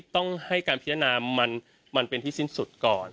ต้องให้การพิจารณามันเป็นที่สิ้นสุดก่อน